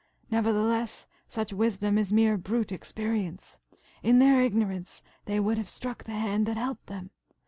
Nevertheless, such wisdom is mere brute experience. In their ignorance they would have struck the hand that helped them.